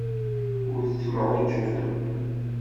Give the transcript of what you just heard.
Ur tettemɛujjutem.